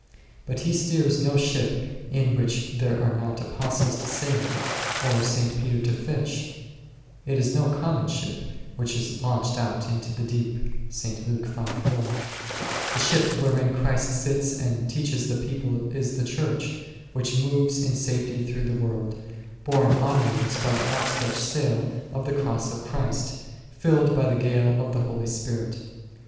But He steers no ship in which there are not Apostles to sail, or St. Peter to fish ; it is no common ship which is launched out into the deep h ; the ship wherein Christ sits and teaches the people is the Church, which moves in safety through the world, borne onwards by the out stretched sail of the Cross of Christ, filled by the gale of the Holy Spirit.